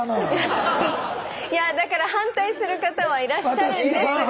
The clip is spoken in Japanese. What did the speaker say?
いやだから反対する方はいらっしゃるんですが。